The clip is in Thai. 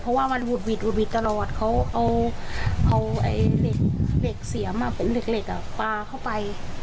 เพราะว่ามันหุดหวิดตลอดเขาเอาเหล็กเสียมเป็นเหล็กปลาเข้าไป